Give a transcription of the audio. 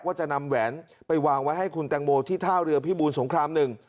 ว่าจะนำแหวนไปวางไว้ให้คุณแตงโมที่ท่าเรือพิบูรสงครามหนึ่ง